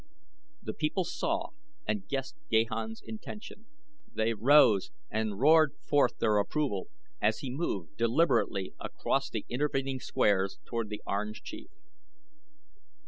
The people saw and guessed Gahan's intention. They rose and roared forth their approval as he moved deliberately across the intervening squares toward the Orange Chief.